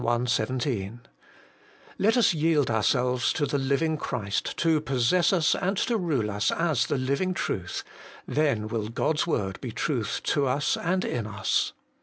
1 7) ; let us yield ourselves to the Living Christ to possess us and to rule us as the Living Truth, then will God's word be Truth to us and in us.